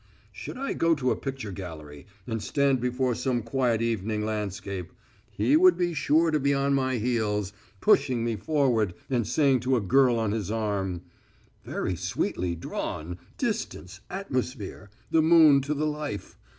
Should I go to a picture gallery, and stand before some quiet evening landscape, he would be sure to be on my heels, pushing me forward, and saying to a girl on his arm: "Very sweetly drawn ... distance ... atmosphere ... the moon to the life....